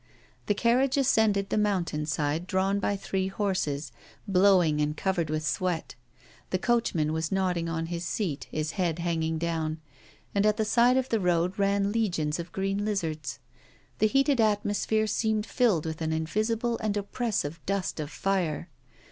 The carriage ascended the mountain side drawn by three horses, blowing, and covered with sweat. The coachman was nodding on his seat, his head hanging down; and at the side of the road ran legions of green lizards. The heated atmosphere seemed filled with an invisible and oppressive dust of fire.